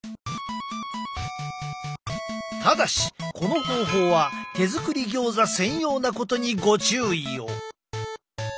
ただしこの方法は手作りギョーザ専用なことにご注意を。